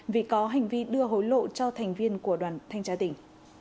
vì có hành vi đưa hối lộ cho thành viên của đoàn thanh tra tỉnh